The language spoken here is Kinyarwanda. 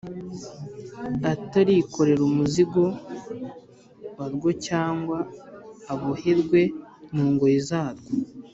atarikorera umuzigo warwocyangwa ngo aboherwe mu ngoyi zarwo,